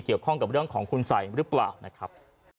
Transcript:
เกี่ยวข้องกับเรื่องของคุณสัยหรือเปล่านะครับ